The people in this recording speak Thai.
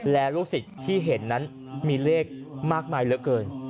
แล้วลูกศิษย์ที่เห็นนั้นมีเลขมากมายเหลือเกิน